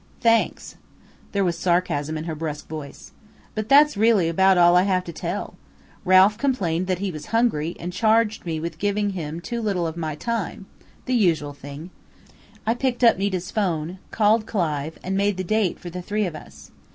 "Thanks!" There was sarcasm in her brusque voice. "But that's really about all I have to tell. Ralph complained that he was hungry and charged me with giving him too little of my time the usual thing. I picked up Nita's phone, called Clive and made the date for the three of us.